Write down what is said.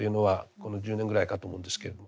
この１０年ぐらいかと思うんですけれども。